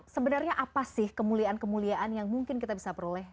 sebenarnya apa sih kemuliaan kemuliaan yang mungkin kita bisa peroleh